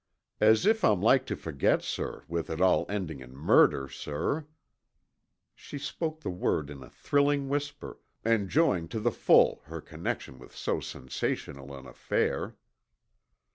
"As if I'm like to forget, sir, with it all ending in murder, sir." She spoke the word in a thrilling whisper, enjoying to the full her connection with so sensational an affair.